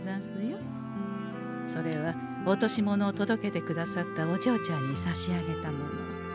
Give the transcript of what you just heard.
それは落とし物を届けてくださったおじょうちゃんに差し上げたもの。